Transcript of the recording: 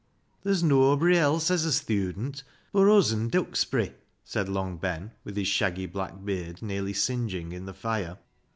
" Ther's noabry else hez a sthudent bur uz and Duxbury," said Long Ben, with his shaggy black beard nearly singeing in the fire.